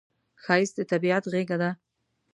ښایست د طبیعت غېږه ده